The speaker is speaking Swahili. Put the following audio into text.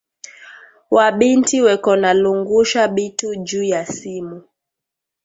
Wa binti weko na lungusha bitu juya simu